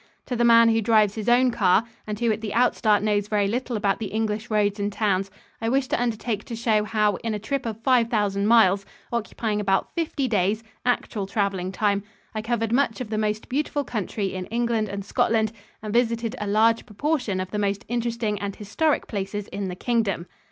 To the man who drives his own car and who at the outstart knows very little about the English roads and towns, I wish to undertake to show how in a trip of five thousand miles, occupying about fifty days, actual traveling time, I covered much of the most beautiful country in England and Scotland and visited a large proportion of the most interesting and historic places in the Kingdom.